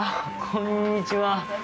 こんにちは。